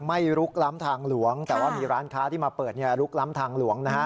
ลุกล้ำทางหลวงแต่ว่ามีร้านค้าที่มาเปิดลุกล้ำทางหลวงนะฮะ